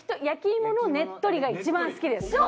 焼きいものねっとりが一番好きです。